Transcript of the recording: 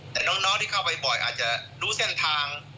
แต่น้องที่เข้าไปบ่อยอาจจะรู้เส้นทาง